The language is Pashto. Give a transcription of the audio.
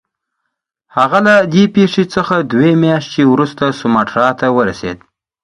هغه له دې پیښې څخه دوې میاشتې وروسته سوماټرا ته ورسېد.